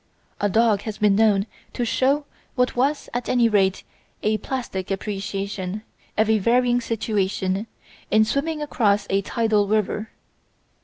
A dog has been known to show what was at any rate a plastic appreciation of a varying situation in swimming across a tidal river.